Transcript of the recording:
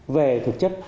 về thực chất